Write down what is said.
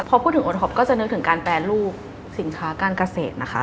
พอพูดถึงโอท็อปก็จะนึกถึงการแปรรูปสินค้าการเกษตรนะคะ